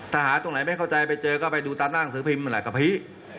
ถ้าหาตรงไหนไม่เข้าใจไปเจอก็ไปดูตามหน้างสือพิมพ์อะไรกะพรี